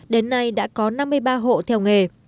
đến nay đã có năm mươi ba hộ theo nghề